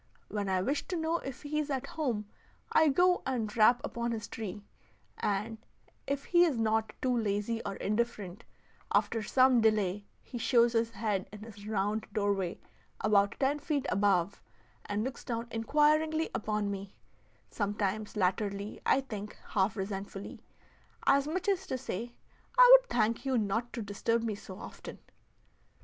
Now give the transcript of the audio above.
When I wish to know if he is at home, I go and rap upon his tree, and, if he is not too lazy or indifferent, after some delay he shows his head in his round doorway about ten feet above, and looks down inquiringly upon me sometimes latterly I think half resentfully, as much as to say, "I would thank you not to disturb me so often."